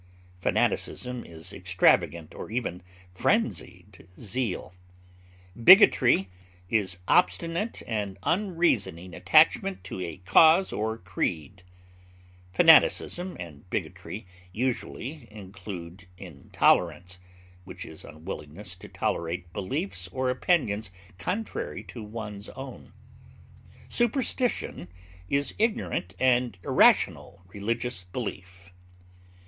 Fanaticism is extravagant or even frenzied zeal; bigotry is obstinate and unreasoning attachment to a cause or creed; fanaticism and bigotry usually include intolerance, which is unwillingness to tolerate beliefs or opinions contrary to one's own; superstition is ignorant and irrational religious belief.